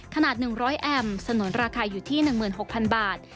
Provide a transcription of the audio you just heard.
ขนาด๑๐๐แอมป์สนุนราคาอยู่ที่๑๖๐๐๐บาท